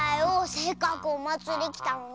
せっかくおまつりきたのに！